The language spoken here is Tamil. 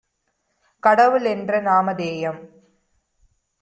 கடவுள்என்ற நாமதேயம்